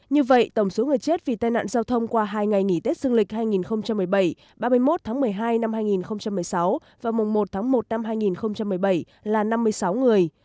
như vậy tổng số người chết vì tai nạn giao thông qua hai ngày nghỉ tết dương lịch hai nghìn một mươi bảy ba mươi một tháng một mươi hai năm hai nghìn một mươi sáu và mùng một tháng một năm hai nghìn một mươi bảy là năm mươi sáu người